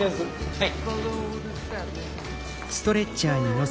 はい。